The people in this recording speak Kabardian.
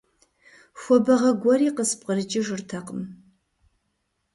Хуабагъэ гуэри къыспкърыкӀыжыртэкъым.